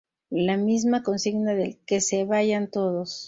La misma consigna del "¡Que se vayan todos!